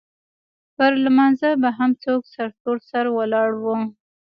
پر لمانځه به هم څوک سرتور سر ولاړ وو.